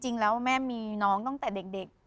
จริงแล้วแม่มีน้องตั้งแต่เด็ก